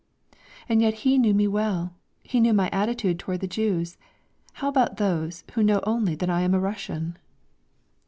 ... And yet he knew me well, he knew my attitude toward the Jews, how about those who know only that I am a "Russian"?